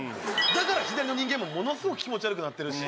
だから左の人間もものすごく気持ち悪くなってるし。